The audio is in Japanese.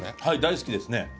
はい大好きですね。